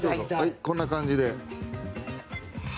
こんな感じです。